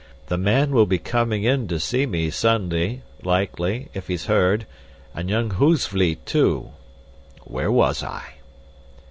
The man will be coming in to see me Sunday, likely, if he's heard, and young Hoogsvliet too. Where was I?"